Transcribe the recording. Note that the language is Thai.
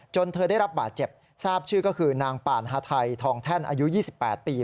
เธอได้รับบาดเจ็บทราบชื่อก็คือนางป่านฮาไทยทองแท่นอายุ๒๘ปี